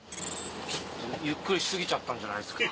ゆっくりし過ぎちゃったんじゃないですか？